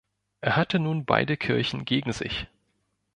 Er hatte nun beide Kirchen gegen sich.